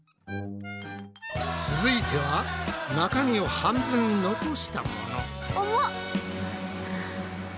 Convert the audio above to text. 続いては中身を半分残したもの。